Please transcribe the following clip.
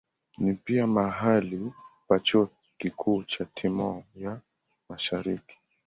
Ni pia mahali pa chuo kikuu cha Timor ya Mashariki.